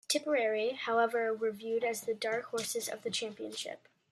Tipperary, however, were viewed as the dark horses of the championship.